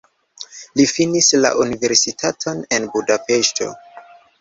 Li finis la universitaton en Budapeŝto.